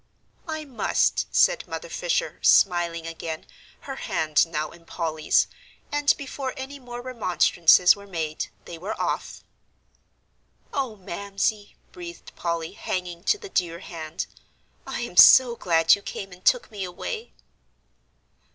"I must," said Mother Fisher, smiling again, her hand now in Polly's, and before any more remonstrances were made, they were off. "Oh, Mamsie!" breathed Polly, hanging to the dear hand, "I am so glad you came, and took me away."